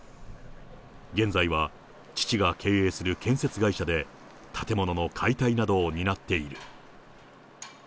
現在は、父が経営する建設会社で建物の解体などを担っている。